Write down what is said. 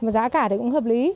giá cả thì cũng hợp lý